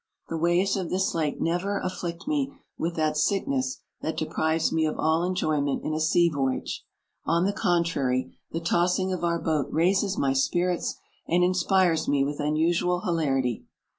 The waves of this lake never afflict me with that sickness that deprives me of all enjoy ment in a sea voyage ; on the contrary, the tossing of our boat raises my spirits and inspires me with unusual hilarity.